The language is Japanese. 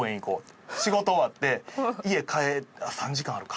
仕事終わって家帰るあっ３時間あるか。